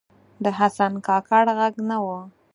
د حسن کاکړ ږغ نه و